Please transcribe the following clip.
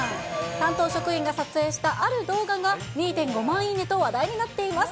担当職員が撮影したある動画が２．５万いいねと話題になっています。